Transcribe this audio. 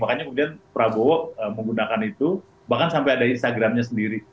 makanya kemudian prabowo menggunakan itu bahkan sampai ada instagramnya sendiri